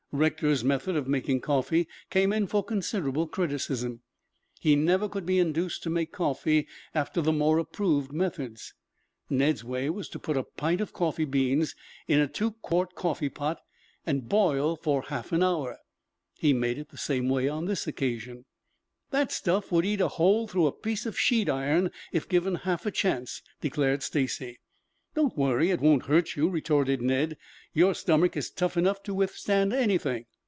Rector's method of making coffee came in for considerable criticism. He never could be induced to make coffee after the more approved methods. Ned's way was to put a pint of coffee beans in a two quart coffee pot and boil for half an hour. He made it the same way on this occasion. "That stuff would eat a hole through a piece of sheet iron if given half a chance," declared Stacy. "Don't worry. It won't hurt you," retorted Ned. "Your stomach is tough enough to withstand anything."